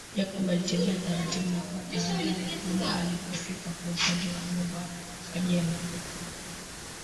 Jacob alitembea taratibu na kwa tahadhari kubwa alipofika kwa upande wa nyuma wa jengo